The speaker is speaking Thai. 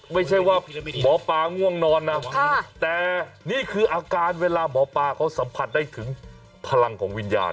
ไม่ใช่ว่าหมอปลาง่วงนอนนะแต่นี่คืออาการเวลาหมอปลาเขาสัมผัสได้ถึงพลังของวิญญาณ